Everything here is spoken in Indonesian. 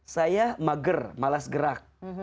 saya mager malas gerak